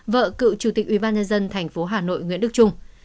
vợ cựu chủ tịch ubnd tp hà nội nguyễn đức trung